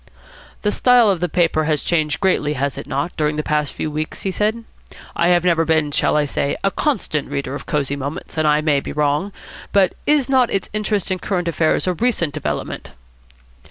"The style of the paper has changed greatly, has it not, during the past few weeks?" he said. "I have never been, shall I say, a constant reader of Cosy Moments, and I may be wrong. But is not its interest in current affairs a recent development?"